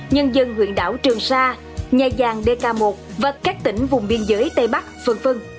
nhân dân huyện đảo trường sa nhà dàng dk một và các tỉnh vùng biên giới tây bắc phân phân